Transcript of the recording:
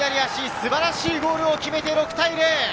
素晴らしいゴールを決めて６対０。